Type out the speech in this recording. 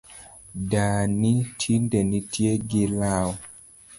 Dani tinde nitie gi lwar